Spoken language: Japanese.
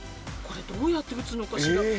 これどうやって打つのかしら？